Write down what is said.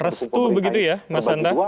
restu begitu ya mas anta